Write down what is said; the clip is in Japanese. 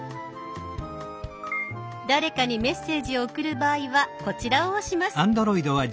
誰かにメッセージを送る場合はこちらを押します。